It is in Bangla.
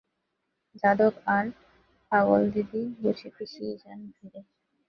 যাদব আর পাগলদিদি বুঝি পিষিয়াই যান ভিড়ে।